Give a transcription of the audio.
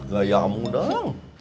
gaya kamu dang